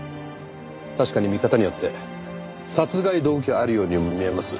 確かに見方によって殺害動機があるようにも見えます。